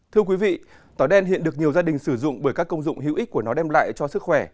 thưa quý vị tỏi đen hiện được nhiều gia đình sử dụng bởi các công dụng hữu ích của nó đem lại cho sức khỏe